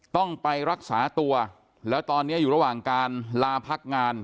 ต้องไปรักษาตัวแล้วตอนนี้อยู่ระหว่างการลาพักงาน